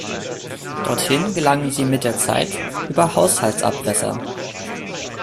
Dorthin gelangen sie mit der Zeit über Haushaltsabwässer.